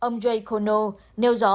ông j kono nêu rõ